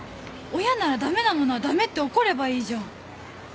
親ならダメなものはダメって怒ればいいじゃん。